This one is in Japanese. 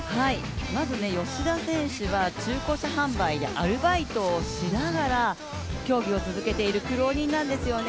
まず吉田選手は中古車販売でアルバイトをしながら競技を続けている苦労人なんですよね。